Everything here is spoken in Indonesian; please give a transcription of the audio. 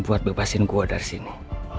buat bebasin gue dari sini